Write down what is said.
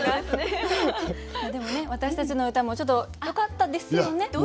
でもね私たちの歌もちょっとよかったですよね？